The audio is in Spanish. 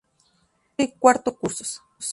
Tercero y cuarto cursos.